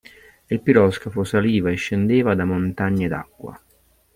Il piroscafo saliva e scendeva da montagne d'acqua.